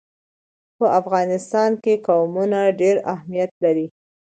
په افغانستان کې قومونه ډېر اهمیت لري.